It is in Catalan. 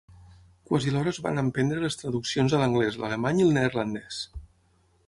Quasi alhora es van emprendre les traduccions a l'anglès, l'alemany i el neerlandès.